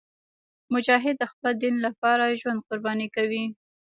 مجاهد د خپل دین لپاره ژوند قرباني کوي.